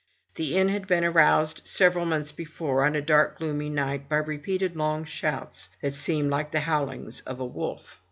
The inn had been aroused several months before, on a dark stormy night, by repeated long shouts, that seemed like the bowlings of a wolf.